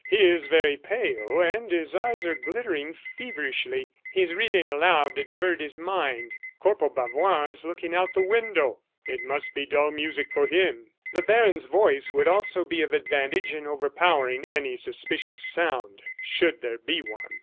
He is very pale, and his eyes are glittering feverishly. He is reading aloud to divert his mind. Corporal Bavois is looking out of the window. It must be dull music for him." The baron's voice would also be of advantage in overpowering any suspicious sound, should there be one.